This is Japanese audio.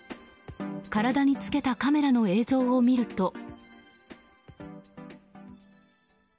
体につけたカメラの映像を見ると。